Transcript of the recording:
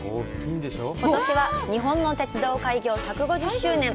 ことしは日本の鉄道開業１５０周年。